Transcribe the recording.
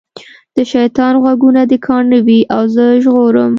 د شیطان غوږونه دي کاڼه وي او زه ژغورم.